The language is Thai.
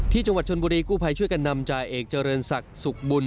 จังหวัดชนบุรีกู้ภัยช่วยกันนำจ่าเอกเจริญศักดิ์สุขบุญ